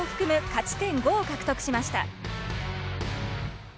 勝ち点５を獲得しました。